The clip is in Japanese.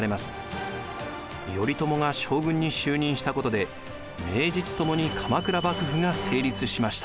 頼朝が将軍に就任したことで名実ともに鎌倉幕府が成立しました。